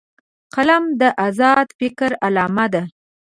قلم د آزاد فکر علامه ده